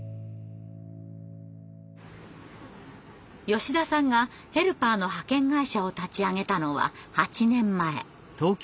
吉田さんがヘルパーの派遣会社を立ち上げたのは８年前。